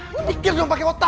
lo pikir dong pake otak